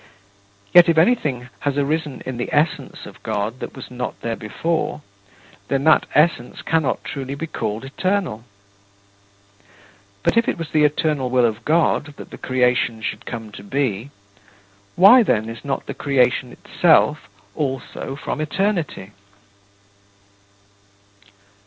Yet if anything has arisen in the Essence of God that was not there before, then that Essence cannot truly be called eternal. But if it was the eternal will of God that the creation should come to be, why, then, is not the creation itself also from eternity?"